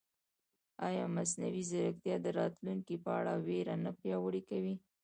ایا مصنوعي ځیرکتیا د راتلونکي په اړه وېره نه پیاوړې کوي؟